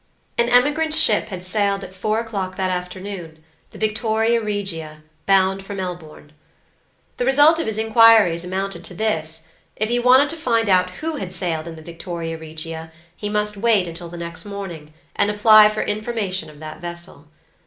An emigrant ship had sailed at four o'clock that afternoonthe Victoria Regia, bound for Melbourne. The result of his inquiries amounted to thisIf he wanted to find out who had sailed in the Victoria Regia, he must wait till the next morning, and apply for information of that vessel.